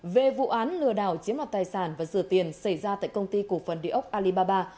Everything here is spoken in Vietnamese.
về vụ án lừa đảo chiếm mặt tài sản và rửa tiền xảy ra tại công ty cục vận địa ốc alibaba